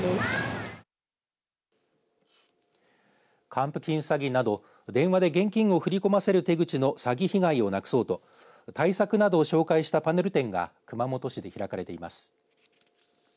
還付金詐欺など現金を振り込ませる手口の詐欺被害をなくそうと対策などを紹介したパネル展が熊本市で開かれています。